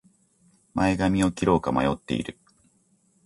前髪を切ろうか迷っている